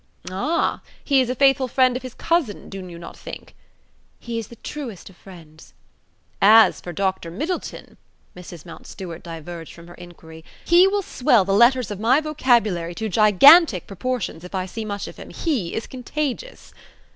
"Ah! He is a faithful friend of his cousin, do you not think?" "He is the truest of friends." "As for Dr. Middleton," Mrs. Mountstuart diverged from her inquiry, "he will swell the letters of my vocabulary to gigantic proportions if I see much of him: he is contagious."